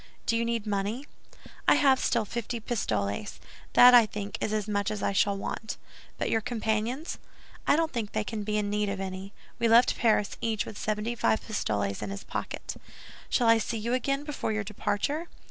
"Do you need money?" "I have still fifty pistoles. That, I think, is as much as I shall want." "But your companions?" "I don't think they can be in need of any. We left Paris, each with seventy five pistoles in his pocket." "Shall I see you again before your departure?"